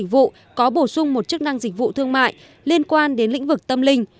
công ty trách nhiệm hiệu hạn dịch vụ có bổ sung một chức năng dịch vụ thương mại liên quan đến lĩnh vực tâm linh